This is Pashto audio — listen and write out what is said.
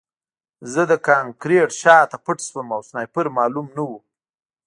زه د کانکریټ شاته پټ شوم او سنایپر معلوم نه و